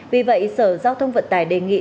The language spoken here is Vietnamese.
vì vậy sở giao thông vận tài đề nghị